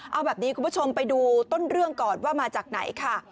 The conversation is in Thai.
เอาแบบนี้คุณผู้ชมไปดูต้นเรื่องก่อนว่ามาจากไหนค่ะ